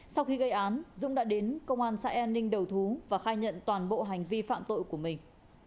sau khi gây án dũng đã đến công an xã an ninh đầu thú và khai nhận toàn bộ hành vi phạm tội của mình